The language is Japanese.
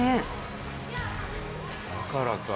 だからか。